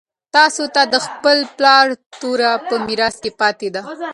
تاسو ته د خپل پلار توره په میراث پاتې ده.